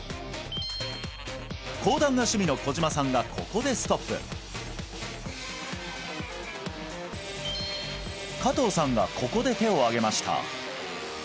講談が趣味の小島さんがここでストップ加藤さんがここで手を上げました